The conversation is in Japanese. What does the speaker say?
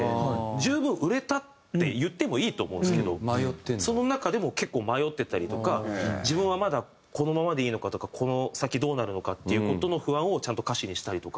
十分売れたって言ってもいいと思うんですけどその中でも結構迷ってたりとか自分はまだこのままでいいのかとかこの先どうなるのかっていう事の不安をちゃんと歌詞にしたりとか。